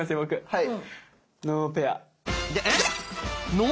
はい。